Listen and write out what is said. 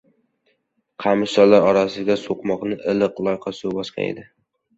Qamishzor orasidagi so‘qmoqni iliq, loyqa suv bosgan edi.